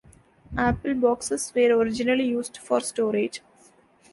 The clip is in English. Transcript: Apple boxes were originally used for storage.